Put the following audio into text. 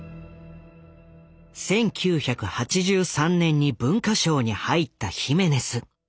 １９８３年に文化省に入ったヒメネス。